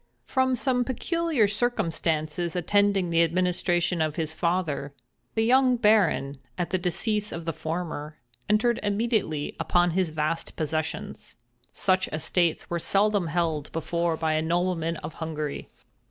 From some peculiar circumstances attending the administration of his father, the young Baron, at the decease of the former, entered immediately upon his vast possessions. Such estates were seldom held before by a nobleman of Hungary.